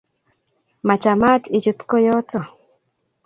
machamat ichuut koyoto